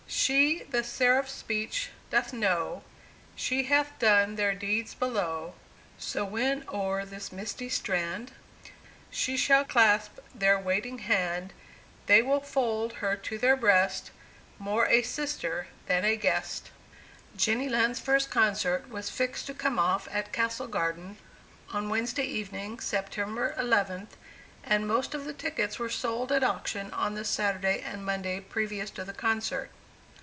She the seraph's speech doth know, She hath done their deeds below: So, when o'er this misty strand She shall clasp their waiting hand, They will fold her to their breast, More a sister than a guest. Jenny Lind's first concert was fixed to come off at Castle Garden, on Wednesday evening, September 11th, and most of the tickets were sold at auction on the Saturday and Monday previous to the concert.